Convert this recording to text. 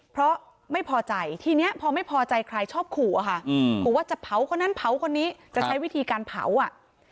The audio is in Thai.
เพราะไม่พอใจทีนี้พอไม่พอใจใครชอบขู่อะค่ะบอกว่าจะเผาคนนั้นเผาคนนี้จะใช้วิธีการเผาอ่ะ